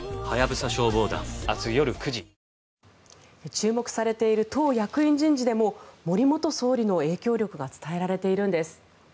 注目されている党役員人事でも森元総理の影響力が伝えられているんです。